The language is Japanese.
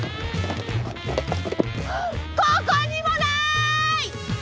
ここにもない！